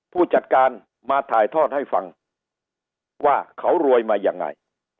ผู้จัดการมาถ่ายทอดให้ฟังว่าเขารวยมายังไง